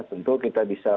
tentu kita bisa